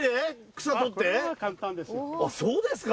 あっそうですか！